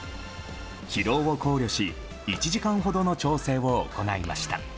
疲労を考慮し１時間ほどの調整を行いました。